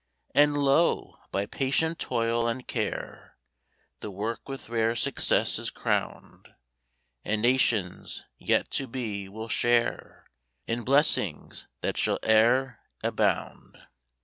And lo! by patient toil and care, The work with rare success is crowned; And nations, yet to be, will share In blessings that shall e'er abound.